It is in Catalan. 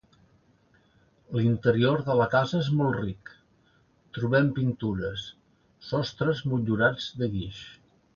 L'interior de la casa és molt ric, trobem pintures, sostres motllurats de guix.